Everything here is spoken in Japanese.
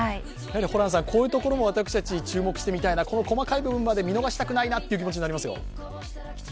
ホランさん、こういうところも私たち注目してみたいな、この細かい部分まで見逃したくないなという気持ちになりますよ。